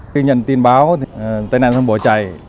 khi nhận tin báo tai nạn xong bỏ chạy